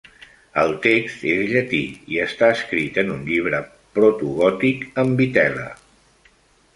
El text és llatí i està escrit en un llibre protogòtic en vitel·la.